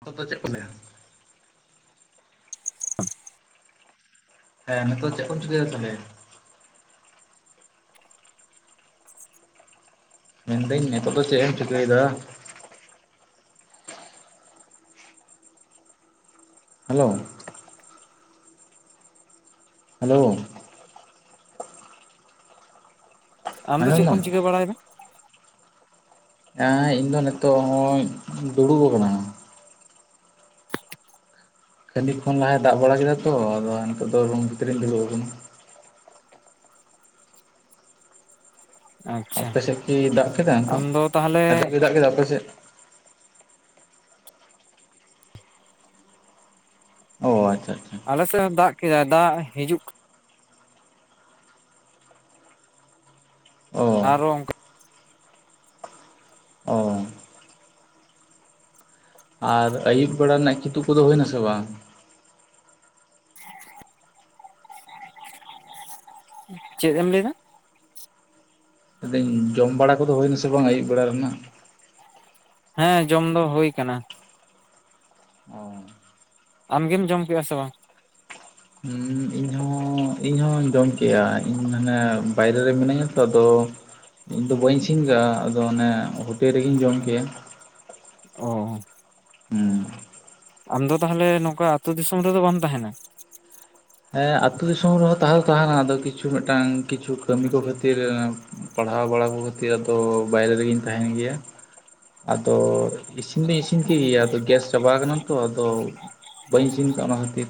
ᱟᱠᱚ ᱫᱚ ᱪᱮᱫ ᱠᱚ ᱞᱟᱹᱭ ᱟ [inaudible] ᱦᱮᱸ ᱱᱤᱛᱚ ᱪᱮᱠᱩᱢ ᱪᱤᱠᱟᱹᱭᱟ, ᱛᱟᱦᱚᱞᱮ [inaudible] ᱢᱮᱱᱫᱟᱹᱧ ᱱᱤᱛ ᱫᱚ ᱪᱮ ᱮᱢ ᱪᱤᱠᱟᱹᱭ ᱮᱫᱟ ᱦᱮᱞᱳ ᱦᱮᱞᱳ ᱟᱢ ᱫᱚ ᱟᱸᱡᱚᱢ ᱪᱮᱫ ᱫᱟᱢ ᱠᱚᱢ ᱪᱤᱠᱟᱹ ᱵᱟᱲᱟᱭ ᱮᱫᱟ? ᱦᱮᱸ ᱤᱧ ᱫᱚ ᱱᱤᱛᱚᱜ ᱦᱚᱸᱧ ᱫᱩᱲᱩᱵ ᱠᱟᱱᱟ ᱠᱷᱟᱱᱮᱠ ᱠᱷᱚᱱ ᱞᱟᱦᱟᱭ ᱫᱟᱜ ᱵᱟᱲᱟ ᱠᱮᱫᱟ ᱛᱚ ᱟᱫᱚ ᱱᱤᱛᱚᱜ ᱫᱚ ᱨᱩᱢ ᱵᱷᱤᱛᱤᱨ ᱤᱧ ᱫᱩᱲᱩᱵ ᱠᱟᱱᱟ᱾ ᱟᱪᱪᱷᱟ ᱟᱯᱮ ᱥᱮᱫ ᱠᱤ ᱫᱟᱜ ᱠᱮᱫᱟ ᱛᱚ ᱟᱢᱫᱚ ᱛᱟᱦᱚᱞᱮ ᱱᱤᱛᱚᱜ? ᱫᱟᱜ ᱠᱮᱫᱟ ᱟᱯᱮ ᱥᱮᱫ ᱚ ᱟᱪᱪᱷᱟ ᱟᱪᱪᱷᱟ ᱟᱞᱮ ᱥᱮᱦᱚᱸ ᱫᱟᱜ, ᱠᱮᱫᱟᱭ ᱫᱟᱜ, ᱦᱤᱡᱩᱜ ᱠᱟ ᱚ ᱟᱨᱚ ᱚᱝᱠᱟ ᱚ ᱟᱨ ᱟᱹᱭᱩᱵ ᱵᱮᱲᱟ ᱨᱮᱱᱟᱜ ᱠᱤᱫᱩᱵ ᱠᱚᱫᱚ ᱦᱩᱭᱱᱟᱥᱮ ᱵᱟᱝ ᱪᱮᱫ ᱮᱢ ᱞᱮᱭ ᱫᱟ? ᱞᱟᱹᱭ ᱫᱟᱹᱧ ᱡᱚᱢ ᱵᱟᱲᱟ ᱠᱚᱫᱚ ᱦᱳᱭᱱᱟᱥᱮ ᱵᱟᱝ ᱟᱹᱭᱩᱵ ᱵᱮᱲᱟ ᱨᱮᱱᱟᱜ? ᱦᱮᱸ ᱡᱚᱢ ᱫᱚ ᱦᱳᱭ ᱠᱟᱱᱟ ᱚ ᱟᱢᱜᱮᱢ ᱡᱚᱢ ᱠᱮᱜ-ᱟ ᱥᱮ ᱵᱟᱝ? ᱦᱩᱸ ᱤᱧ ᱦᱚᱸ ᱤᱧ ᱤᱧ ᱦᱚᱸᱧ ᱡᱚᱢ ᱠᱮᱜ-ᱟ ᱤᱧ ᱢᱟᱱᱮ ᱵᱟᱭᱨᱮ ᱨᱮ ᱢᱤᱱᱟᱹᱧᱟ ᱛᱚ ᱟᱫᱚ ᱤᱧᱫᱚ ᱵᱟᱹᱧ ᱤᱥᱤᱱ ᱠᱟᱜ-ᱟ ᱟᱫᱚ ᱚᱱᱮ ᱦᱳᱴᱮᱞ ᱨᱮᱜᱮᱧ ᱡᱚᱢ ᱠᱮᱭᱟ ᱚ ᱦᱩᱸ ᱟᱢᱫᱚ ᱛᱟᱦᱚᱞᱮ ᱱᱚᱝᱠᱟ ᱟᱹᱛᱩ ᱫᱤᱥᱚᱢ ᱨᱮᱫᱚ ᱵᱟᱢ ᱛᱟᱦᱮᱱᱟ ᱦᱮᱸ ᱟᱹᱛᱩ ᱫᱤᱥᱚᱢ ᱨᱮᱦᱚᱸ ᱛᱟᱦᱮᱸ ᱛᱟᱦᱮᱸᱱᱟ ᱟᱫᱚ ᱠᱤᱪᱷᱩ ᱢᱮᱫᱴᱟᱝ ᱠᱤᱪᱷᱩ ᱠᱟᱹᱢᱤ ᱠᱚ ᱠᱷᱟᱹᱛᱤᱨ ᱯᱟᱲᱦᱟᱣ ᱵᱟᱲᱟ ᱠᱚ ᱠᱷᱟᱹᱛᱤᱨ ᱟᱫᱚ ᱵᱟᱭᱨᱮ ᱨᱮᱜᱮᱧ ᱛᱟᱦᱮᱱ ᱜᱮᱭᱟ ᱟᱫᱚ ᱤᱥᱤᱱ ᱫᱩᱧ ᱤᱥᱤᱱ ᱠᱮᱜᱮᱭᱟ ᱟᱫᱚ ᱜᱮᱥ ᱪᱟᱵᱟᱣ ᱠᱟᱱᱟ ᱛᱚ ᱟᱫᱚ ᱵᱟᱹᱧ ᱤᱥᱤᱱ ᱠᱟᱜ-ᱟ ᱚᱱᱟ ᱠᱷᱟᱹᱛᱤᱨ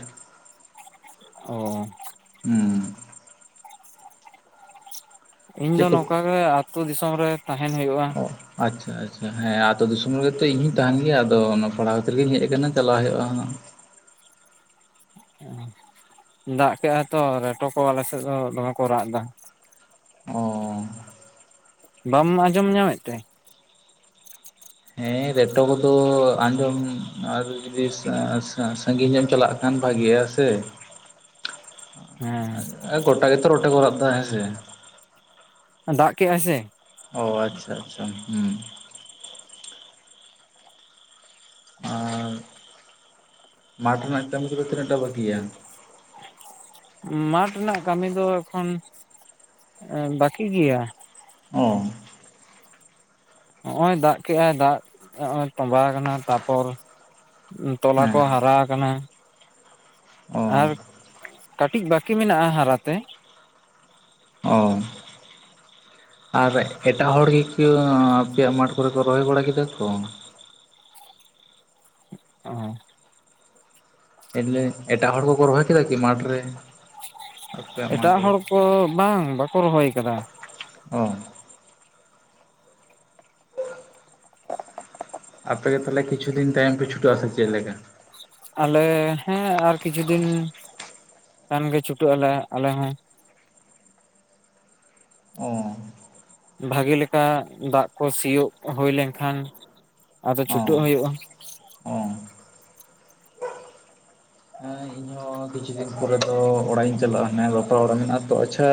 ᱚ ᱦᱩᱸ ᱤᱧ ᱪᱮᱫ ᱫᱚ ᱠᱚ ᱱᱚᱠᱟ ᱜᱮ ᱟᱛᱳ ᱫᱤᱥᱚᱢ ᱨᱮ ᱛᱟᱦᱮᱱ ᱦᱳᱭᱳᱜᱼᱟ ᱾ ᱚ ᱟᱪᱪᱷᱟ ᱟᱪᱪᱷᱟ ᱾ ᱦᱮᱸ ᱟᱛᱳ ᱫᱤᱥᱚᱢ ᱨᱮᱜᱮ ᱛᱚ ᱤᱧ ᱦᱩᱧ ᱛᱟᱦᱮᱱ ᱜᱮᱭᱟ, ᱟᱫᱚ ᱚᱱᱟ ᱯᱟᱲᱦᱟᱣ ᱠᱷᱟᱹᱛᱤᱨ ᱜᱤᱧ ᱦᱮᱡ ᱠᱟᱱᱟ ᱪᱟᱞᱟᱣ ᱦᱳᱭᱳᱜᱼᱟ ᱦᱟᱸᱜ ᱾ ᱫᱟᱜ ᱠᱮᱜᱼᱟᱭ ᱛᱚ, ᱨᱮᱴᱚ ᱠᱚ ᱟᱞᱮ ᱥᱮᱜ ᱫᱚ ᱫᱚᱢᱮ ᱠᱚ ᱨᱟᱜ ᱫᱟ ᱾ ᱚ ᱵᱟᱢ ᱟᱸᱡᱚᱢ ᱧᱟᱢᱮᱜ ᱛᱮ? ᱦᱮᱸ ᱨᱮᱴᱚ ᱠᱚᱫᱚ ᱟᱸᱡᱚᱢ ᱟᱨ ᱡᱩᱫᱤ ᱥᱟ ᱥᱟ ᱥᱟᱺᱜᱤᱧ ᱧᱚᱜ ᱮᱢ ᱪᱟᱞᱟᱜ ᱠᱷᱟᱱ ᱵᱷᱟᱜᱮᱭᱟ ᱛᱮ ᱦᱮᱸ ᱜᱚᱴᱟ ᱜᱮᱛᱚ ᱨᱚᱴᱮ ᱠᱚ ᱨᱟᱜ ᱫᱟ ᱦᱮᱸ ᱥᱮ ᱾ ᱫᱟᱜ ᱠᱮᱜ ᱟᱭ ᱥᱮ ᱚ ᱟᱪᱪᱷᱟ ᱟᱪᱪᱷᱟ ᱦᱩ ᱾ ᱟᱨ ᱢᱟᱴᱷ ᱨᱮᱱᱟᱜ ᱠᱟᱹᱢᱤ ᱠᱚᱫᱚ ᱛᱤᱱᱟᱹᱜ ᱴᱟ ᱵᱟᱠᱤᱭᱟ? ᱢᱟᱴᱷ ᱨᱮᱱᱟᱜ ᱠᱟᱹᱢᱤ ᱫᱚ ᱮᱠᱷᱚᱱ, ᱵᱟᱠᱤ ᱜᱮᱭᱟ᱾ ᱚ ᱦᱚᱜᱼᱚᱭ ᱫᱟᱜ ᱠᱮᱜᱼᱟᱭ ᱫᱟᱜ ᱦᱚᱜᱼᱚᱭ ᱛᱚᱸᱵᱟᱣ ᱠᱟᱱᱟ ᱛᱟᱯᱚᱨ ᱛᱚᱞᱟ ᱦᱮᱸ ᱠᱚ ᱦᱟᱨᱟ ᱠᱟᱱᱟ ᱚ ᱟᱨ ᱠᱟᱹᱴᱤᱡ ᱵᱟᱹᱠᱤ ᱢᱮᱱᱟᱜᱼᱟ ᱦᱟᱨᱟ ᱛᱮ ᱚ ᱟᱨ ᱮᱴᱟᱜ ᱦᱚᱲ ᱜᱮ ᱠᱮ ᱟᱯᱮᱭᱟᱜ ᱢᱟᱴᱷ ᱠᱚᱨᱮ ᱠᱚ ᱨᱚᱦᱚᱭ ᱵᱟᱲᱟ ᱠᱮᱫᱟ ᱠᱚ ᱾ ᱚ ᱮᱞᱮ ᱮᱴᱟᱜ ᱦᱚᱲ ᱠᱚᱠᱚ ᱨᱚᱦᱚᱭ ᱠᱮᱫᱟ ᱠᱤ ᱢᱟᱴᱷ ᱨᱮ? ᱟᱯᱮᱭᱟᱜ ᱢᱟ ᱮᱴᱟᱜ ᱛᱚᱵᱮ ᱦᱚᱲ ᱠᱚ, ᱵᱟᱝ ᱵᱟᱠᱚ ᱨᱚᱦᱚᱭ ᱠᱟᱫᱟ᱾ ᱚ ᱟᱯᱮ ᱜᱮ ᱛᱟᱦᱚᱞᱮ ᱠᱤᱪᱷᱩ ᱫᱤᱱ ᱛᱟᱭᱚᱢ ᱯᱮ ᱪᱷᱩᱴᱟᱹᱜᱼᱟ ᱥᱮ ᱪᱮᱜ ᱞᱮᱠᱟ? ᱟᱞᱮ ᱦᱮᱸ ᱟᱨ ᱠᱤᱪᱷᱩ ᱫᱤᱱ ᱠᱷᱟᱱ ᱜᱮ ᱪᱷᱩᱴᱟᱹᱜ ᱟᱞᱮ ᱟᱞᱮ ᱦᱚᱸ ᱚ ᱵᱷᱟᱜᱮ ᱞᱮᱠᱟ ᱫᱟᱜ ᱠᱚ ᱥᱤᱭᱳᱜ ᱦᱳᱭ ᱞᱮᱱᱠᱷᱟᱱ, ᱟᱫᱚ ᱚ ᱪᱷᱩᱴᱟᱹᱜ ᱦᱳᱭᱳᱜᱼᱟ ᱾ ᱚ ᱦᱮᱸ ᱤᱧ ᱦᱚᱸ ᱠᱤᱪᱷᱩ ᱫᱤᱱ ᱯᱚᱨᱮ ᱫᱚ ᱛᱚ ᱚᱲᱟᱜ ᱤᱧ ᱪᱟᱞᱟᱜᱼᱟ᱾ ᱦᱮᱸ ᱵᱟᱯᱞᱟ ᱚᱲᱟᱜ ᱢᱮᱱᱟᱜᱼᱟ ᱛᱚ᱾ ᱟᱪᱪᱷᱟ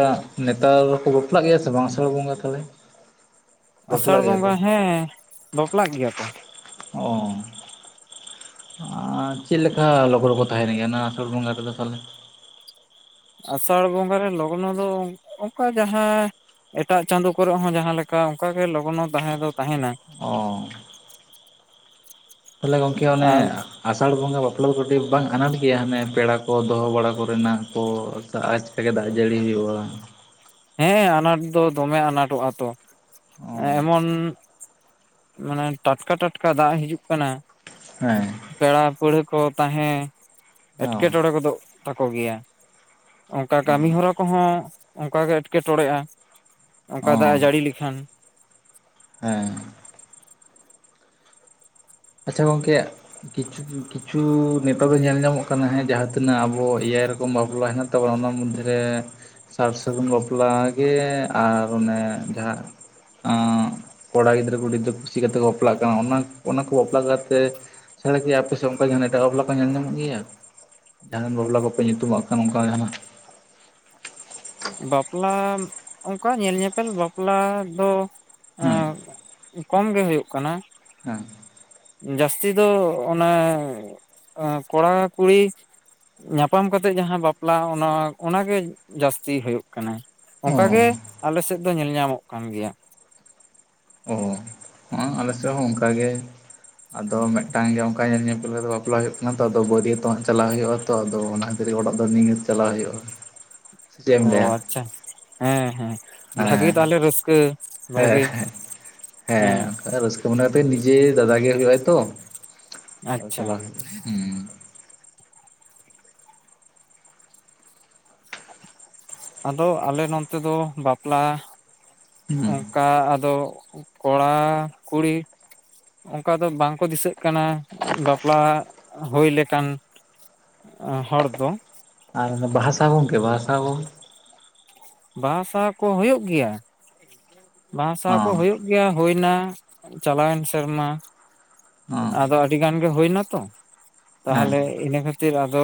ᱱᱮᱛᱟᱨ ᱦᱚᱸ ᱠᱚ ᱵᱟᱯᱞᱟᱜ ᱜᱮᱭᱟ ᱥᱮ ᱵᱟᱝ ᱟᱸᱥᱟᱲ ᱵᱚᱸᱜᱟ ᱛᱟᱦᱚᱞᱮ? ᱟᱸᱥᱟᱲ ᱵᱟᱯᱞᱟᱜ ᱜᱮᱭᱟ ᱠᱚ? ᱵᱚᱸᱜᱟ ᱦᱮᱸ ᱵᱟᱯᱞᱟᱜ ᱜᱮᱭᱟ ᱠᱚ᱾ ᱚ ᱪᱮᱜ ᱞᱮᱠᱟ ᱞᱚᱜᱱᱚ ᱠᱚ ᱛᱟᱦᱮᱱ ᱜᱮᱭᱟ, ᱚᱱᱟ ᱟᱥᱟᱲ ᱵᱚᱸᱜᱟ ᱨᱮᱫᱚ ᱛᱟᱦᱚᱞᱮ? ᱟᱸᱥᱟᱲ ᱵᱚᱸᱜᱟ ᱨᱮ ᱞᱚᱜᱱᱚ ᱫᱚ ᱚᱱᱠᱟ ᱡᱟᱦᱟᱸ ᱮᱴᱟᱜ ᱪᱟᱸᱫᱳ ᱠᱚᱨᱮ ᱦᱚᱸ ᱡᱟᱦᱟᱸ ᱞᱮᱠᱟ, ᱚᱱᱠᱟ ᱜᱮ ᱞᱚᱜᱱᱚ ᱛᱟᱦᱮᱸ ᱫᱚ ᱛᱟᱦᱮᱱᱟ᱾ ᱚ ᱛᱟᱦᱚᱞᱮ ᱜᱚᱝᱠᱮ ᱚᱱᱮ ᱟᱨ ᱟᱸᱥᱟᱲ ᱵᱚᱸᱜᱟ ᱵᱟᱯᱞᱟ ᱫᱚ ᱠᱟᱹᱴᱤᱡ ᱵᱟᱝ ᱟᱱᱟᱴ ᱜᱮᱭᱟ, ᱦᱟᱱᱮ ᱯᱮᱲᱟ ᱠᱚ ᱫᱚᱦᱚ ᱵᱟᱲᱟ ᱠᱚᱨᱮᱱᱟᱜ ᱠᱚ ᱛᱮᱜᱮ ᱫᱟᱜ ᱡᱟᱹᱲᱤ ᱦᱩᱭᱩᱜᱼᱟ᱾ ᱦᱮᱸ ᱟᱱᱟᱴ ᱫᱚ ᱫᱚᱢᱮ ᱟᱱᱟᱴᱚᱜᱼᱟ ᱛᱚ, ᱚ ᱮᱢᱚᱱ ᱢᱟᱱᱮ ᱴᱟᱴᱠᱟ ᱴᱟᱴᱠᱟ ᱫᱟᱜ ᱦᱤᱡᱩᱜ ᱠᱟᱱᱟ ᱦᱮᱸ ᱾ ᱯᱮᱲᱟ ᱯᱟᱹᱲᱦᱟᱹ ᱠᱚ ᱛᱟᱦᱮᱸ ᱚ ᱮᱴᱠᱮᱴᱚᱬᱮ ᱜᱚᱫᱚᱜ ᱛᱟᱠᱚ ᱜᱮᱭᱟ᱾ ᱚᱱᱠᱟ ᱚ ᱠᱟᱹᱢᱤ ᱦᱚᱨᱟ ᱠᱚᱦᱚᱸ ᱚᱱᱠᱟ ᱜᱮ ᱮᱴᱠᱮᱴᱚᱬᱮᱜᱼᱟ, ᱚ ᱚᱱᱠᱟ ᱫᱟᱜ ᱮ ᱡᱟᱹᱲᱤ ᱞᱮᱠᱷᱟᱱ ᱦᱮᱸ ᱾ ᱟᱪᱪᱷᱟ ᱜᱚᱝᱠᱮ ᱠᱤᱪᱷᱩ ᱠᱤᱪᱷᱩ ᱱᱮᱛᱟᱨ ᱫᱚ ᱧᱮᱞ ᱧᱟᱢᱚᱜ ᱠᱟᱱᱟ, ᱦᱮᱸ ᱡᱟᱦᱟᱸ ᱛᱤᱱᱟᱹᱜ ᱟᱵᱚ ᱮᱭᱟᱭ ᱨᱚᱠᱚᱢ ᱵᱟᱯᱞᱟ ᱦᱮᱱᱟᱜ ᱛᱟᱵᱚ ᱚᱱᱟ ᱢᱚᱫᱽᱨᱮ ᱨᱮ ᱥᱟᱨ ᱥᱟᱹᱜᱩᱱ ᱵᱟᱯᱞᱟ ᱜᱮ ᱟᱨ ᱚᱱᱮ ᱡᱟᱦᱟᱸ ᱠᱚᱲᱟ ᱜᱤᱫᱽᱨᱟᱹ ᱠᱩᱲᱤ ᱜᱤᱫᱽᱨᱟᱹ ᱠᱩᱥᱤ ᱠᱟᱛᱮ ᱠᱚ ᱵᱟᱯᱞᱟᱜ ᱠᱟᱱᱟ, ᱚᱱᱟ ᱚᱱᱟ ᱠᱩ ᱵᱟᱯᱞᱟ ᱠᱟᱛᱮ ᱪᱷᱟᱲᱟ ᱠᱤ ᱟᱯᱮ ᱚᱱᱠᱟ ᱡᱟᱦᱟᱱᱟᱜ ᱮᱴᱟᱜ ᱵᱟᱯᱞᱟ ᱠᱚ ᱧᱮᱞ ᱧᱟᱢᱚᱜ ᱜᱮᱭᱟ᱾ ᱡᱟᱦᱟᱱ ᱵᱟᱯᱞᱟ ᱠᱚᱯᱮ ᱧᱩᱛᱩᱢᱟᱜ ᱠᱟᱱ ᱚᱱᱠᱟ ᱡᱟᱦᱟ ᱱᱟᱜ᱾ ᱵᱟᱯᱞᱟ ᱚᱱᱠᱟ ᱧᱮᱞ ᱧᱮᱯᱮᱞ ᱵᱟᱯᱞᱟ ᱫᱚ ᱦᱮᱸ ᱠᱚᱢ ᱜᱮ ᱦᱳᱭᱳᱜ ᱠᱟᱱᱟ᱾ ᱦᱮᱸ ᱡᱟᱹᱥᱛᱤ ᱫᱚ ᱚᱱᱮ ᱠᱚᱲᱟ ᱠᱩᱲᱤ ᱧᱟᱯᱟᱢ ᱠᱟᱛᱮ ᱡᱟᱦᱟᱸ ᱵᱟᱯᱞᱟ ᱚᱱᱟ ᱚᱱᱟᱜᱮ ᱡᱟᱹᱥᱛᱤ ᱛᱤ ᱦᱩᱭᱩᱜ ᱠᱟᱱᱟ᱾ ᱚ ᱚᱱᱠᱟ ᱜᱮ ᱟᱞᱮ ᱥᱮᱫ ᱫᱚ ᱧᱮᱞ ᱧᱟᱢᱚᱜ ᱠᱟᱱ ᱜᱮᱭᱟ᱾ ᱚ ᱦᱚᱸ ᱟᱞᱮ ᱥᱮᱦᱚᱸ ᱚᱱᱠᱟ ᱜᱮ᱾ ᱟᱫᱚ ᱢᱤᱫᱴᱟᱝ ᱜᱮ ᱚᱱᱠᱟ ᱧᱮᱞ ᱧᱮᱯᱮᱞ ᱠᱟᱛᱟᱜ ᱵᱟᱯᱞᱟ ᱦᱩᱭᱩᱜ ᱠᱟᱱᱟ ᱛᱚ, ᱟᱫᱚ ᱵᱟᱹᱨᱤᱭᱚᱛᱚᱜ ᱦᱚᱸᱜ ᱪᱟᱞᱟᱜ ᱦᱩᱭᱩᱜᱼᱟ᱾ ᱛᱚ ᱟᱫᱚ ᱚᱱᱟ ᱠᱷᱟᱹᱛᱤᱨ ᱚᱲᱟᱜ ᱫᱚ ᱱᱤᱜᱤᱛ ᱪᱟᱞᱟᱣ ᱦᱩᱭᱩᱜᱼᱟ᱾ ᱥᱮ ᱪᱮᱫ ᱮᱢ ᱚ ᱞᱟᱹᱭᱟ ᱟᱪᱪᱷᱟ, ᱦᱮᱸ ᱦᱮᱸ ᱵᱷᱟᱜᱮ ᱦᱮᱸ ᱛᱟᱦᱞᱮ ᱨᱟᱹᱥᱠᱟᱹ ᱦᱮᱸ ᱵᱷᱟᱜᱮ ᱦᱮᱸ ᱦᱮᱸ, ᱨᱟᱹᱥᱠᱟᱹ ᱢᱚᱱᱮ ᱠᱟᱛᱮ ᱱᱤᱡᱮ ᱫᱟᱫᱟ ᱜᱮ ᱦᱩᱭᱩᱜ ᱟᱭ ᱛᱚ ᱟᱪᱪᱷᱟ ᱪᱟᱞᱟᱣ ᱦᱩᱭᱩᱜᱼᱟ᱾ ᱟᱫᱚ ᱟᱞᱮ ᱱᱚᱱᱛᱮ ᱫᱚ ᱵᱟᱯᱞᱟ ᱦᱩᱸ ᱚᱱᱠᱟ ᱟᱫᱚ ᱠᱚᱲᱟ ᱠᱩᱲᱤ ᱚᱱᱠᱟ ᱫᱚ ᱵᱟᱝᱠᱚ ᱫᱤᱥᱟᱹᱜ ᱠᱟᱱᱟ ᱵᱟᱯᱞᱟ ᱦᱩᱭ ᱞᱮᱠᱟᱱ ᱦᱚᱲ ᱫᱚ᱾ ᱟᱨ ᱵᱟᱦᱟᱥᱟ ᱜᱚᱝᱠᱮ ᱵᱟᱦᱟᱥᱟ ᱠᱚ, ᱵᱟᱦᱟ ᱥᱟᱦᱟ ᱠᱚ ᱦᱳᱭᱳᱜ ᱜᱮᱭᱟ᱾ ᱵᱟᱦᱟᱥᱟᱦᱟ ᱠᱚ ᱦᱚᱸ ᱦᱩᱭᱩᱜ ᱜᱮᱭᱟ ᱦᱳᱭᱱᱟ ᱪᱟᱞᱟᱣᱮᱱ ᱥᱮᱨᱢᱟ ᱦᱚᱸ ᱟᱫᱚ ᱟᱹᱰᱤ ᱜᱟᱱ ᱜᱮ ᱦᱳᱭᱱᱟᱛᱚ, ᱦᱮᱸ ᱛᱟᱦᱚᱞᱮ ᱤᱱᱟᱹ ᱠᱷᱟᱹᱛᱤᱨ ᱟᱫᱚ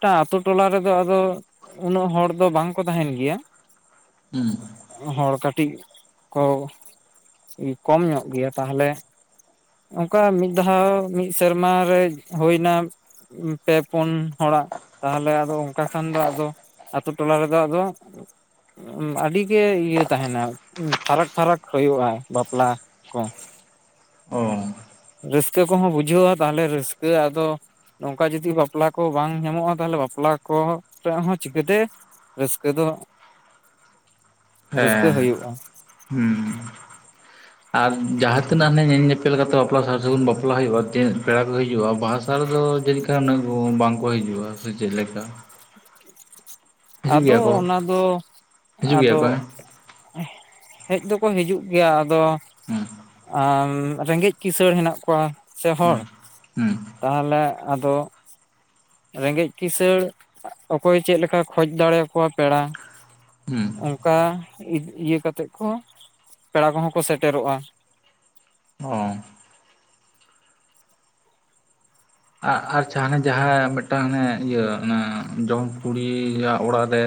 [unintelligible] ᱟᱛᱳ ᱴᱚᱞᱟ ᱨᱮᱫᱚ ᱟᱫᱚ ᱩᱱᱟᱹᱜ ᱦᱚᱲ ᱫᱚ ᱵᱟᱝ ᱠᱚ ᱛᱟᱦᱮᱱ ᱜᱮᱭᱟ᱾ ᱦᱩᱸ ᱦᱚᱲ ᱠᱟᱹᱴᱤᱡ ᱠᱚ ᱠᱚᱢ ᱧᱚᱜ ᱜᱮᱭᱟ ᱛᱟᱦᱮᱞᱮ ᱚᱝᱠᱟ ᱢᱤᱫ ᱫᱷᱟᱣ ᱢᱤᱫ ᱥᱮᱨᱢᱟ ᱨᱮ ᱦᱳᱭᱱᱟ ᱯᱮ ᱯᱩᱱ ᱦᱚᱲᱟᱜ ᱛᱟᱦᱮᱞᱮ ᱟᱫᱚ ᱚᱱᱠᱟ ᱠᱷᱟᱱ ᱫᱚ ᱟᱫᱚ ᱟᱛᱳ ᱴᱚᱞᱟ ᱨᱮ ᱫᱚᱜ ᱟᱫᱚ ᱟᱹᱰᱤ ᱜᱮ ᱤᱭᱟᱹ ᱛᱟᱦᱮᱱᱟ, ᱯᱷᱟᱨᱟᱠ ᱯᱷᱟᱨᱟᱠ ᱦᱳᱭᱳᱜᱼᱟ ᱵᱟᱯᱞᱟ ᱠᱚ᱾ ᱚ ᱨᱟᱹᱥᱠᱟᱹ ᱠᱚᱦᱚᱸ ᱵᱩᱡᱷᱟᱣᱟ ᱛᱟᱦᱚᱞᱮ ᱨᱟᱹᱥᱠᱟᱹ ᱟᱫᱚ ᱱᱚᱝᱠᱟ ᱡᱩᱫᱤ ᱵᱟᱯᱞᱟ ᱠᱚ ᱵᱟᱝ ᱧᱟᱢᱚᱜᱼᱟ ᱛᱟᱦᱚᱞᱮ ᱵᱟᱯᱞᱟ ᱠᱚ ᱨᱮᱭᱟᱜ ᱦᱚᱸ ᱪᱤᱠᱟᱹᱛᱮ ᱨᱟᱹᱥᱠᱟᱹ ᱫᱚ ᱨᱟᱹᱥᱠᱟᱹ ᱦᱮᱸ ᱦᱩᱭᱩᱜᱼᱟ᱾ ᱦᱩᱸ ᱟᱨ ᱡᱟᱦᱟᱸ ᱛᱤᱱᱟᱹᱜ ᱦᱟᱱᱮ ᱧᱮᱞ ᱧᱮᱯᱮᱞ ᱠᱟᱛᱮ ᱵᱟᱯᱞᱟ ᱥᱟᱨ ᱥᱟᱹᱜᱩᱱ ᱵᱟᱯᱞᱟ ᱦᱩᱭᱩᱜᱼᱟ ᱠᱮ ᱯᱮᱲᱟ ᱠᱚ ᱦᱤᱡᱩᱜᱼᱟ ᱵᱟᱥ ᱱᱮᱛᱟᱨ ᱫᱚ ᱡᱟᱱᱤᱪ ᱠᱷᱟᱱ ᱵᱟᱝ ᱠᱚ ᱦᱤᱡᱩᱜᱼᱟ᱾ ᱥᱮ ᱪᱮᱫ ᱞᱮᱠᱟ? ᱦᱤᱡᱩᱜ ᱟᱫᱚ ᱜᱮᱭᱟ ᱠᱚ ᱚᱱᱟᱫᱚ ᱦᱤᱡᱩᱜ ᱜᱮᱭᱟ ᱟᱫᱚ ᱠᱚ ᱦᱮᱸ ᱦᱮᱡ ᱫᱚᱠᱚ ᱦᱤᱡᱩᱜ ᱜᱮᱭᱟ, ᱟᱫᱚ ᱟᱨ ᱨᱮᱸᱜᱮᱡ ᱠᱤᱥᱟᱹᱬ ᱦᱮᱱᱟᱜ ᱠᱚᱣᱟ ᱥᱮ ᱦᱩᱸ ᱦᱚᱲ᱾ ᱦᱩᱸ ᱛᱟᱦᱚᱞᱮ ᱟᱫᱚ ᱨᱮᱸᱜᱮᱡ ᱠᱤᱥᱟᱹᱲ ᱚᱠᱚᱭ ᱪᱮᱫ ᱞᱮᱠᱟ ᱠᱷᱚᱡᱽ ᱫᱟᱲᱮᱭᱟ ᱠᱚᱣᱟ ᱯᱮᱲᱟ, ᱦᱩᱸ ᱚᱱᱠᱟ ᱤᱭᱟᱹ ᱠᱟᱛᱮᱜ ᱠᱚ ᱯᱮᱲᱟ ᱠᱚᱦᱚᱸ ᱠᱚ ᱥᱮᱴᱮᱨᱚᱜᱼᱟ᱾ [unintelligible] ᱟᱨ ᱱᱟᱦᱟᱸᱜ ᱡᱟᱦᱟᱸᱱᱟᱜ ᱡᱟᱦᱟᱸ ᱢᱤᱫᱴᱟᱝ ᱦᱟᱱᱮ ᱤᱭᱟᱹ ᱚᱱᱟ ᱡᱚᱢ ᱠᱩᱲᱤᱭᱟᱜ ᱚᱲᱟᱜ ᱨᱮ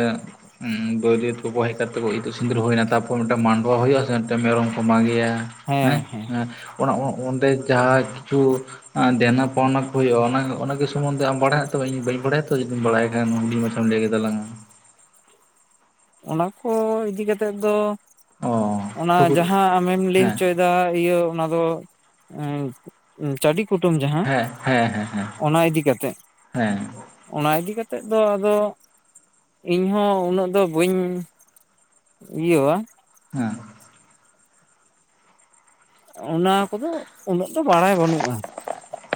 ᱵᱟᱹᱨᱭᱟᱹᱛ ᱠᱚᱠᱚ ᱦᱮᱡ ᱠᱟᱛᱮᱜ ᱠᱚ ᱤᱛᱩᱫ ᱥᱤᱸᱫᱩᱨ ᱦᱩᱭᱱᱟ ᱛᱟᱨᱯᱚᱨ ᱢᱤᱫᱴᱟᱝ ᱢᱟᱸᱰᱣᱟ ᱦᱩᱭᱩᱜᱼᱟ ᱥᱮ ᱢᱤᱫᱴᱟᱝ ᱢᱮᱨᱚᱢ ᱠᱚ ᱢᱟᱸᱜᱮᱭᱟ, ᱦᱮᱸ ᱚᱸᱰᱮ ᱡᱟᱦᱟᱸ ᱠᱤᱪᱷᱩ ᱫᱮᱱᱟ ᱯᱟᱣᱱᱟ ᱦᱩᱭᱩᱜᱼᱟ ᱚᱱᱟᱜᱮ ᱥᱚᱢᱫᱷᱮ ᱟᱢ ᱵᱟᱲᱟᱭᱟ ᱛᱚ ᱤᱧ ᱵᱟᱹᱧ ᱵᱟᱲᱟᱭᱟ ᱛᱚ ᱡᱩᱫᱤᱢ ᱵᱟᱲᱟᱭ ᱠᱷᱟᱱ ᱦᱩᱰᱤᱧ ᱢᱟᱪᱷᱟᱢ ᱞᱟᱹᱭ ᱠᱮᱛᱟᱞᱟᱝᱟ? ᱚᱱᱟ ᱠᱚ ᱤᱫᱤ ᱠᱟᱛᱮ ᱫᱚ ᱚ ᱚᱱᱟ ᱴᱩᱠᱩᱴ ᱡᱟᱦᱟᱸ ᱟᱢᱮᱢ ᱞᱟᱹᱭ ᱦᱮᱸ ᱚᱪᱚᱭ ᱤᱭᱟᱹ ᱚᱱᱟ ᱫᱚ ᱪᱷᱟᱹᱰᱤ ᱠᱩᱴᱟᱹᱢ ᱡᱟᱦᱟᱸ ᱦᱮᱸ ᱦᱮᱸ ᱦᱮᱸ ᱦᱮᱸ ᱚᱱᱟ ᱤᱫᱤ ᱠᱟᱛᱮᱜ, ᱦᱮᱸ ᱚᱱᱟ ᱤᱫᱤ ᱠᱟᱛᱮᱜ ᱫᱚ ᱟᱫᱚ ᱤᱧᱦᱚᱸ ᱩᱱᱟᱹᱜ ᱫᱚ ᱵᱟᱹᱧ ᱤᱭᱟᱹᱣᱟ ᱦᱮᱸ ᱚᱱᱟ ᱠᱚ ᱫᱚ ᱩᱱᱟᱹᱜ ᱫᱚ ᱵᱟᱲᱟᱭ ᱵᱟᱹᱱᱩᱜᱼᱟ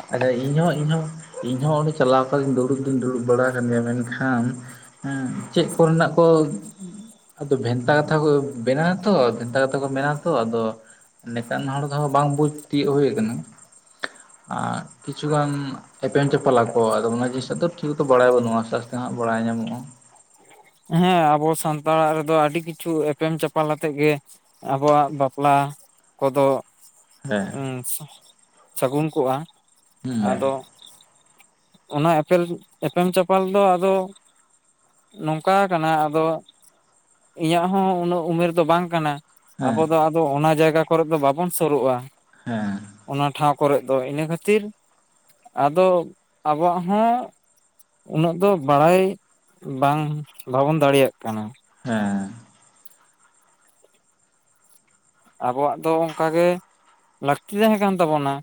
[unintelligible] ᱤᱧᱦᱚᱸ ᱤᱧᱦᱚᱸ ᱤᱧ ᱦᱚᱸ ᱚᱸᱰᱮ ᱪᱟᱞᱟᱣ ᱠᱟᱛᱮᱧ ᱫᱩᱲᱩᱵ ᱫᱩᱧ ᱫᱩᱲᱩᱵ ᱵᱟᱲᱟ ᱟᱠᱟᱱ ᱜᱮᱭᱟ ᱢᱮᱱ ᱠᱷᱟᱱᱼᱼ ᱦᱮᱸ ᱪᱮᱫ ᱠᱚ ᱨᱮᱱᱟᱜ ᱠᱚᱼᱼ ᱟᱫᱚ ᱵᱷᱮᱱᱛᱟ ᱠᱟᱛᱷᱟ ᱠᱚ ᱵᱮᱱᱟᱣ ᱟᱛᱚ ᱵᱷᱮᱱᱛᱟ ᱠᱟᱛᱷᱟ ᱠᱚ ᱵᱮᱱᱟᱣᱛᱚ ᱟᱫᱚ ᱱᱮᱛᱟᱨ [unintelligible] ᱦᱚᱲ ᱫᱚ ᱵᱟᱝ ᱵᱩᱡᱽ ᱛᱤᱭᱚᱜ ᱦᱩᱭ ᱟᱠᱟᱱᱟ ᱟᱨ ᱠᱤᱪᱷᱩᱜᱟᱱ ᱮᱯᱮᱱ ᱪᱟᱯᱟᱞᱟ ᱠᱚ ᱟᱫᱚ ᱚᱱᱟ ᱡᱤᱱᱤᱥᱟᱜ ᱫᱚ ᱴᱷᱤᱠ ᱛᱚ ᱵᱟᱲᱟᱭ ᱵᱟᱹᱱᱩᱜ ᱟᱥᱛᱮ ᱟᱥᱛᱮ ᱦᱟᱸᱜ ᱵᱟᱲᱟᱭ ᱧᱟᱢᱚᱜᱼᱟ ᱦᱮᱸ ᱟᱵᱚ ᱥᱟᱱᱛᱟᱲ ᱟᱜ ᱨᱮᱫᱚ ᱟᱹᱰᱤ ᱠᱤᱪᱷᱩ ᱮᱯᱮᱢ ᱪᱟᱯᱟᱞ ᱟᱛᱮᱜ ᱜᱮᱼᱼ ᱟᱵᱚᱣᱟᱜ ᱵᱟᱯᱞᱟ ᱠᱚᱫᱚᱼᱼ ᱦᱮᱸ ᱥᱟᱹᱜᱩᱱ ᱠᱚᱜᱼᱟ ᱦᱩᱸ ᱟᱫᱚ ᱚᱱᱟ ᱮᱯᱮᱞ ᱮᱯᱮᱢ ᱪᱟᱯᱟᱞ ᱫᱚ ᱟᱫᱚ ᱱᱚᱝᱠᱟᱼᱼ ᱱᱚᱝᱠᱟ ᱠᱟᱱᱟ ᱟᱫᱚ ᱤᱧᱟᱹᱜ ᱦᱚᱸ ᱩᱱᱟᱹᱜ ᱩᱢᱮᱨ ᱫᱚ ᱵᱟᱝ ᱠᱟᱱᱟ ᱦᱮᱸ ᱟᱵᱚ ᱫᱚ ᱟᱫᱚᱼᱼᱼ ᱫᱚ ᱚᱱᱟ ᱡᱟᱭᱜᱟ ᱠᱚ ᱨᱮ ᱫᱚ ᱵᱟᱵᱚᱱ ᱥᱩᱨᱩᱜᱼᱟ ᱦᱮᱸ ᱚᱱᱟ ᱴᱷᱟᱶ ᱠᱚ ᱨᱮᱫ ᱫᱚ ᱤᱱᱟᱹ ᱠᱷᱟᱹᱛᱤᱨ ᱟᱫᱚ ᱟᱵᱚᱣᱟᱜ ᱦᱚᱸᱼᱼ ᱩᱱᱟᱹᱜ ᱫᱚ ᱵᱟᱲᱟᱭ ᱵᱟᱝ ᱵᱟᱵᱚᱱ ᱫᱟᱲᱮᱭᱟᱜ ᱠᱟᱱᱟ᱾ ᱦᱮᱸ ᱟᱵᱚᱣᱟᱜ ᱫᱚ ᱚᱱᱠᱟ ᱜᱮᱼᱼ ᱞᱟᱹᱠᱛᱤ ᱛᱟᱦᱮᱸ ᱠᱟᱱ ᱛᱟᱵᱚᱱᱟ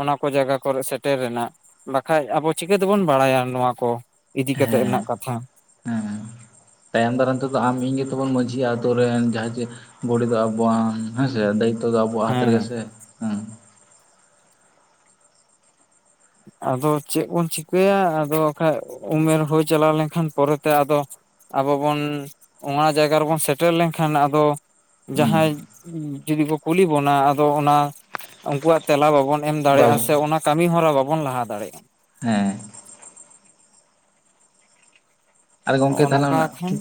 ᱚᱱᱟ ᱠᱚ ᱡᱟᱭᱜᱟ ᱠᱚᱨᱮ ᱥᱮᱴᱮᱨ ᱨᱮᱱᱟᱜᱼᱼ ᱵᱟᱠᱷᱟᱡ ᱟᱵᱚ ᱪᱤᱠᱟᱹ ᱛᱮᱵᱚᱱ ᱵᱟᱲᱟᱭᱟ ᱱᱚᱣᱟ ᱠᱚ ᱤᱫᱤ ᱠᱟᱛᱮᱜ ᱦᱮᱸ ᱨᱮᱱᱟᱜ ᱠᱟᱛᱷᱟ ᱦᱮᱸ ᱛᱟᱭᱚᱢ ᱫᱟᱨᱟᱢ ᱛᱮ ᱫᱚ ᱟᱢ ᱤᱧ ᱜᱮᱛᱚ ᱵᱚᱱ ᱢᱟᱺᱡᱷᱤᱼᱟ ᱟᱹᱛᱳ ᱨᱮᱱ ᱡᱟᱦᱟᱸᱭ ᱡᱮ ᱜᱷᱩᱲᱤ ᱫᱚ ᱟᱵᱚᱣᱟᱜ ᱦᱮᱸᱥᱮ ᱫᱟᱭᱤᱛᱛᱚ ᱫᱚ ᱟᱵᱚᱣᱟᱜ ᱦᱟᱛ ᱨᱮ ᱜᱮ ᱦᱮᱸ ᱥᱮ ᱦᱮᱸ ᱟᱫᱚ ᱪᱮᱫ ᱵᱚᱱ ᱪᱤᱠᱟᱹᱭᱟ ᱟᱫᱚ ᱵᱟᱠᱷᱟᱡ ᱩᱢᱮᱨ ᱦᱩᱭ ᱪᱟᱞᱟᱣ ᱞᱮᱱ ᱠᱷᱟᱱ ᱯᱚᱨᱮ ᱛᱮ ᱟᱫᱚᱼᱼ ᱟᱵᱚ ᱵᱚᱱ ᱚᱱᱟ ᱡᱟᱭᱜᱟ ᱨᱮ ᱵᱚᱱ ᱥᱮᱴᱮᱨ ᱞᱮᱱ ᱠᱷᱟᱱ ᱟᱫᱚᱼᱼ ᱦᱩᱸ ᱡᱟᱦᱟᱸᱭ ᱡᱩᱫᱤ ᱠᱚ ᱠᱩᱞᱤ ᱵᱚᱱᱟ ᱟᱫᱚ ᱚᱱᱟ ᱩᱱᱠᱩᱣᱟᱜ ᱛᱮᱞᱟ ᱵᱟᱵᱚᱱᱼᱼ ᱮᱢ ᱵᱟᱵ ᱫᱟᱲᱮᱭᱟᱜᱼᱟ ᱥᱮ ᱚᱱᱟ ᱠᱟᱹᱢᱤ ᱦᱚᱨᱟ ᱵᱟᱵᱚᱱ ᱞᱟᱦᱟ ᱫᱟᱲᱮᱭᱟᱜᱼᱟ ᱦᱮᱸ ᱟᱨ ᱜᱚᱢᱠᱮ ᱱᱚᱜᱼᱚ ᱛᱟᱦᱚᱞᱮ ᱱᱚᱝᱠᱟ ᱚᱱᱟᱼᱼ ᱠᱷᱟᱱ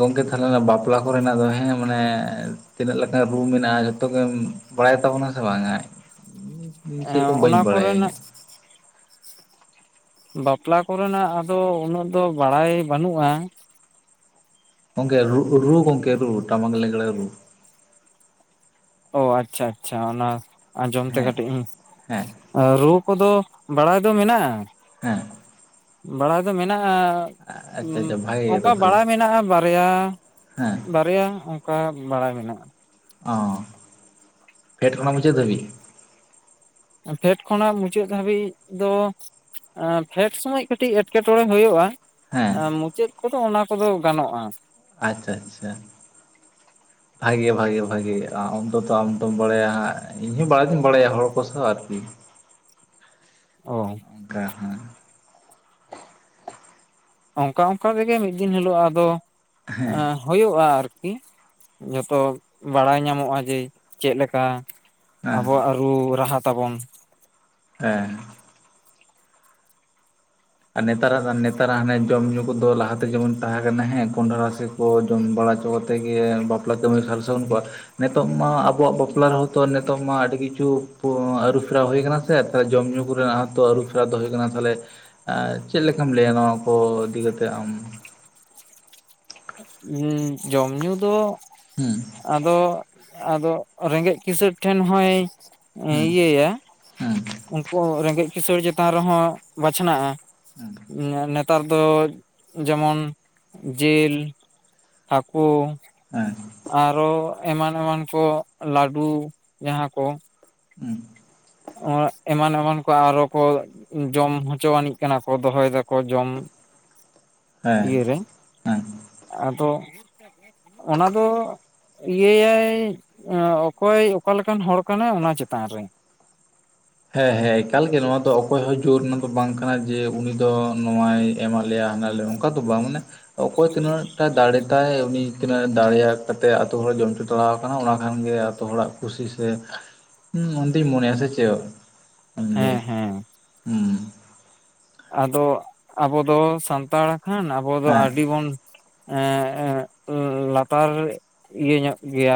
ᱜᱚᱝᱠᱮ ᱛᱟᱦᱚᱞᱮ ᱚᱱᱟ ᱵᱟᱯᱞᱟ ᱠᱚ ᱨᱮᱱᱟᱜ ᱫᱚ ᱦᱮᱸ ᱢᱟᱱᱮ ᱛᱤᱱᱟᱹᱜ ᱞᱮᱠᱟᱱ ᱨᱩ ᱢᱮᱱᱟᱜᱼᱟ ᱡᱚᱛᱚ ᱜᱮᱢᱼᱼ ᱵᱟᱲᱟᱭ ᱛᱟᱵᱚᱱᱟ ᱥᱮ ᱵᱟᱝᱼᱟ ᱚᱱᱟ ᱠᱚ ᱨᱮᱱᱟᱜ ᱤᱧᱟᱹᱜ ᱵᱟᱯᱞᱟ ᱠᱚ ᱨᱮᱱᱟᱜ ᱟᱫᱚ ᱩᱱᱟᱹᱜ ᱫᱚ ᱵᱟᱲᱟᱭ ᱵᱟᱹᱱᱩᱜᱼᱟ᱾ ᱜᱚᱝᱠᱮ ᱨᱩ ᱜᱚᱝᱠᱮ ᱨᱩ ᱴᱟᱢᱟᱠ ᱨᱮᱜᱽᱲᱟ ᱨᱩ ᱚ ᱟᱪᱪᱷᱟ ᱟᱪᱪᱷᱟ ᱚᱱᱟ ᱟᱸᱡᱚᱢ ᱛᱮ ᱦᱮᱸ ᱠᱟᱹᱴᱤᱡ ᱤᱧᱼᱼ ᱦᱮᱸ ᱨᱩ ᱠᱚ ᱫᱚ ᱵᱟᱲᱟᱭ ᱫᱚ ᱢᱮᱱᱟᱜᱼᱟ᱾ ᱦᱮᱸ ᱵᱟᱲᱟᱭ ᱫᱚ ᱢᱮᱱᱟᱜᱼᱟ᱾ ᱦ ᱟᱪᱪᱷᱟ ᱟᱪᱪᱷᱟ ᱵᱷᱟᱜᱮ ᱚᱱᱠᱟ ᱜᱮᱛᱚ ᱛᱟᱦᱚᱞᱮ ᱵᱟᱲᱟᱭ ᱢᱮᱱᱟᱜᱼᱟ ᱵᱟᱨᱭᱟ ᱦᱮᱸ ᱵᱟᱨᱭᱟ᱾ ᱚᱠᱟ ᱵᱟᱲᱟᱭ ᱢᱮᱱᱟᱜᱼᱟ᱾ ᱚ ᱯᱷᱮᱴ ᱠᱷᱚᱱᱟᱜ ᱢᱩᱪᱟᱹᱫ ᱫᱟᱵᱤᱡ᱾ ᱯᱷᱮᱰ ᱠᱷᱚᱱᱟᱜ ᱢᱩᱪᱟᱹᱫ ᱫᱷᱟᱹᱵᱤᱡ ᱫᱚᱼᱼ ᱯᱷᱮᱰ ᱥᱚᱢᱚᱭ ᱠᱟᱹᱴᱤᱡ ᱮᱴᱠᱮᱴᱚᱬᱮ ᱦᱩᱭᱩᱜᱼᱟ᱾ ᱦᱮᱸ ᱢᱩᱪᱟᱹᱫ ᱠᱚ ᱫᱚ ᱚᱱᱟ ᱠᱚᱫᱚ ᱜᱟᱱᱚᱜᱼᱟ᱾ ᱟᱪᱪᱷᱟ ᱟᱪᱪᱷᱟ [inaudible] ᱵᱷᱟᱜᱮ ᱵᱷᱟᱜᱮ ᱵᱷᱟᱜᱮ [unintelligible] ᱟᱢ ᱫᱚ ᱛᱚ ᱟᱢ ᱫᱚᱢ ᱵᱟᱲᱟᱭᱟ [unintelligible] ᱤᱧ ᱦᱚᱸ ᱵᱟᱲᱟᱭ ᱫᱚᱧ ᱵᱟᱲᱟᱭ᱾ ᱤᱧ ᱦᱚᱧ ᱵᱟᱲᱟᱭᱟ ᱦᱚᱲ ᱠᱚ ᱥᱟᱶ ᱟᱨᱠᱤᱼᱼ ᱚ [unintelligible] ᱚᱱᱠᱟ ᱚᱱᱠᱟ ᱛᱮᱜᱮ ᱢᱤᱫ ᱫᱤᱱ ᱦᱤᱞᱳᱜ ᱟᱫᱚ ᱦᱩᱭᱩᱜᱼᱟ ᱟᱨᱠᱤᱼᱼ ᱡᱷᱚᱛᱚ ᱵᱟᱲᱟᱭ ᱧᱟᱢᱚᱜᱼᱟ ᱡᱮ ᱪᱮᱫ ᱞᱮᱠᱟ᱾ ᱦᱮᱸ ᱟᱵᱚᱣᱟᱜ ᱨᱩ ᱨᱟᱦᱟ ᱛᱟᱵᱚᱱ᱾ ᱦᱮᱸᱻ ᱟᱨ ᱱᱮᱛᱟᱨᱟᱜ ᱱᱮᱛᱟᱨᱟᱜ ᱦᱟᱱᱮ ᱡᱚᱢ ᱧᱩ ᱠᱚᱫᱚ ᱞᱟᱦᱟ ᱛᱮ ᱡᱮᱢᱚᱱ ᱛᱟᱦᱮᱸ ᱠᱟᱱᱟ ᱦᱮᱸ ᱠᱚᱸᱱᱰᱷᱟ ᱨᱟᱥᱮ ᱼᱼ ᱠᱚ ᱡᱚᱢ ᱵᱟᱲᱟ ᱦᱚᱪᱚ ᱠᱟᱛᱮ ᱜᱮ ᱵᱟᱯᱞᱟ ᱠᱟᱹᱢᱤ ᱥᱟᱨ ᱥᱟᱹᱜᱩᱱ ᱠᱚᱣᱟ᱾ ᱱᱤᱛᱚᱜ ᱢᱟ ᱟᱵᱚᱣᱟᱜ ᱵᱟᱯᱞᱟ ᱨᱮᱦᱚ ᱛᱚ ᱱᱤᱛᱚᱜ ᱢᱟ ᱟᱹᱰᱤ ᱠᱤᱪᱷᱩ ᱟᱹᱨᱩᱯᱷᱮᱨᱟᱣ ᱦᱩᱭ ᱟᱠᱟᱱᱟ᱾ ᱛᱮ ᱡᱚᱢ ᱧᱩ ᱠᱚ ᱨᱮᱱᱟᱜ ᱛᱚ ᱟᱹᱨᱩ ᱯᱷᱮᱨᱟᱣ ᱫᱚ ᱦᱳᱭ ᱠᱟᱱᱟ ᱛᱟᱦᱚᱞᱮᱼᱼ ᱪᱮᱫ ᱞᱮᱠᱟᱢ ᱞᱟᱹᱭᱟ ᱱᱚᱣᱟ ᱠᱚ ᱤᱫᱤ ᱠᱟᱛᱮ ᱟᱢ᱾ ᱡᱚᱢ ᱧᱩ ᱫᱚᱼᱼ ᱦᱩᱸ ᱟᱫᱚ ᱟᱫᱚ ᱨᱮᱸᱜᱮᱡ ᱠᱤᱥᱟᱹᱲ ᱴᱷᱮᱱ ᱦᱚᱭ ᱦᱩᱸ ᱤᱭᱟᱹᱭᱟ᱾ ᱦᱩᱸ ᱩᱱᱠᱩ ᱨᱮᱸᱜᱮᱡ ᱠᱤᱥᱟᱹᱲ ᱪᱮᱛᱟᱱ ᱨᱮᱦᱚᱸ ᱵᱟᱪᱷᱱᱟᱜᱼᱟ᱾ ᱦᱸ [inaudible] ᱱᱮᱛᱟᱨ ᱫᱚ ᱡᱮᱢᱚᱱ ᱡᱮᱹᱞᱼᱼ ᱦᱟᱹᱠᱳᱼᱼ ᱦᱮᱸ ᱟᱨᱚ ᱮᱢᱟᱱ ᱮᱢᱟᱱ ᱠᱚ ᱞᱟᱹᱰᱩ ᱡᱟᱦᱟᱸ ᱠᱚ᱾ ᱦᱩᱸ ᱮᱢᱟᱱ ᱮᱢᱟᱱ ᱠᱚ ᱟᱨᱚ ᱠᱚᱼᱼ ᱡᱚᱢ ᱦᱚᱪᱚ ᱟᱹᱱᱤᱡ ᱠᱟᱱᱟ ᱠᱚ ᱫᱚᱦᱚᱭ ᱫᱟᱠᱚ ᱡᱚᱢ᱾ ᱦᱮᱸ ᱤᱭᱟᱹ ᱨᱮ ᱦᱮᱸ ᱟᱫᱚ ᱚᱱᱟ ᱫᱚᱼᱼ ᱤᱭᱟᱹᱟᱭ ᱚᱠᱚᱭ ᱚᱠᱟᱞᱮᱠᱟᱱ ᱦᱚᱲ ᱠᱟᱱᱟᱭ ᱚᱱᱟ ᱪᱮᱛᱟᱱ ᱨᱮ᱾ ᱦᱮᱸ ᱦᱮᱸ ᱮᱠᱟᱞ ᱜᱮ ᱱᱚᱣᱟ ᱫᱚ ᱚᱠᱚᱭ ᱦᱚᱸ ᱡᱳᱨ ᱨᱮᱱᱟᱜ ᱫᱚ ᱵᱟᱝ ᱠᱟᱱᱟ ᱡᱮ ᱩᱱᱤ ᱫᱚ ᱱᱚᱣᱟᱭ ᱮᱢᱟ ᱞᱮᱭᱟ ᱦᱟᱱᱟ ᱞᱮᱼᱼ ᱚᱱᱠᱟ ᱫᱚ ᱵᱟᱝ ᱢᱟᱱᱮᱼᱼ ᱚᱠᱚᱭ ᱛᱤᱱᱟᱹᱜ ᱴᱟᱜ ᱫᱟᱲᱮ ᱛᱟᱭ ᱩᱱᱤ ᱛᱤᱱᱟᱹᱜ ᱫᱟᱲᱮᱭᱟᱜ ᱠᱟᱛᱮ ᱟᱛᱩ ᱦᱚᱲ ᱡᱚᱢ ᱪᱚ ᱪᱟᱞᱟᱣᱟ ᱟᱠᱟᱱᱟ ᱚᱱᱟ ᱠᱷᱟᱱ ᱜᱮ᱾ ᱡᱚᱛᱚ ᱦᱚᱲᱟᱜ ᱠᱩᱥᱤ ᱥᱮ ᱚᱱᱛᱤᱧ ᱢᱚᱱᱮᱭᱟ ᱥᱮ ᱪᱮᱫ ᱞᱟᱹᱭᱟ ᱦᱮᱸ ᱦᱮᱸ ᱦᱩᱸᱼᱼ ᱟᱫᱚ ᱟᱵᱚᱫᱚ ᱥᱟᱱᱛᱟᱲ ᱠᱷᱟᱱ ᱟᱵᱚ ᱫᱚ ᱦᱮᱸ ᱟᱹᱰᱤ ᱵᱚᱱᱼᱼ ᱞᱟᱛᱟᱨ ᱤᱭᱟᱹ ᱧᱚᱜ ᱜᱮᱭᱟ᱾